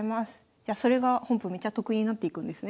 じゃそれが本譜めちゃ得になっていくんですね。